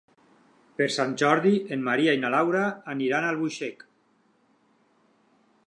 Per Sant Jordi en Maria i na Laura aniran a Albuixec.